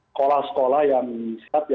sekolah sekolah yang siap